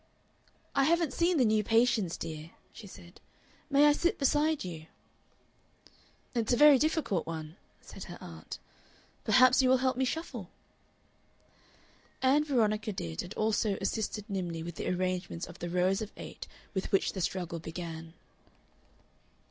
"I haven't seen the new Patience, dear," she said. "May I sit beside you?" "It's a very difficult one," said her aunt. "Perhaps you will help me shuffle?" Ann Veronica did, and also assisted nimbly with the arrangements of the rows of eight with which the struggle began.